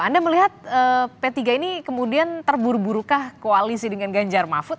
anda melihat p tiga ini kemudian terburu burukah koalisi dengan ganjar mahfud